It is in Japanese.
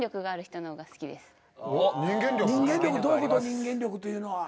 人間力というのは。